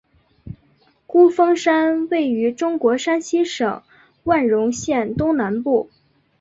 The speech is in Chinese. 孤峰山位于中国山西省万荣县东南部。